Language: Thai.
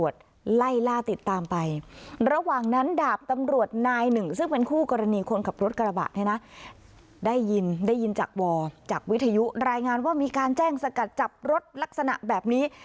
ได้ยินจากวอร์จากวิทยุรายงานว่ามีการแจ้งสกัดจับรถลักษณะแบบนี้